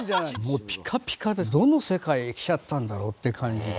もうピカピカでどの世界へ来ちゃったんだろうって感じで。